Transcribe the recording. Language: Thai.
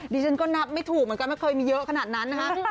ดิฉันก็นับไม่ถูกเหมือนกันไม่เคยมีเยอะขนาดนั้นนะคะ